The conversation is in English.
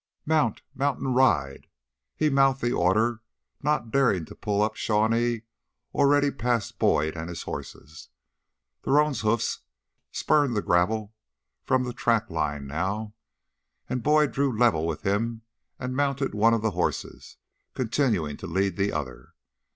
"Mount! Mount and ride!" He mouthed the order, not daring to pull up Shawnee, already past Boyd and his horses. The roan's hoofs spurned gravel from the track line now. And Boyd drew level with him and mounted one of the horses, continuing to lead the other.